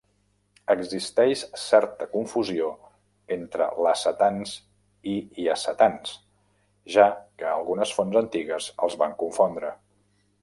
Existeix certa confusió entre lacetans i iacetans, ja que algunes fonts antigues els van confondre.